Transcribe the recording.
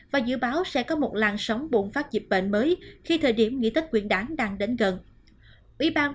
và dự báo sẽ có một làn sóng bùng phát dịch bệnh mới khi thời điểm nghỉ tết quyện đáng đang đến gần